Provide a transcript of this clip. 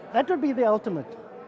itu akan menjadi tujuan terakhir